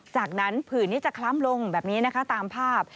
จากนั้นผื่นนี้จะคล้ำลงแบบนี้นะคะตามภาพ